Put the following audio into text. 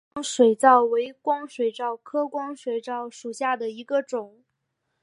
高斯光水蚤为光水蚤科光水蚤属下的一个种。